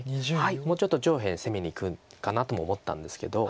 もうちょっと上辺攻めにいくかなとも思ったんですけど。